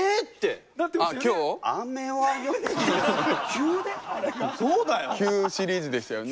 急シリーズでしたよね。